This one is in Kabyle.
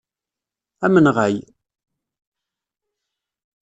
Amenɣay!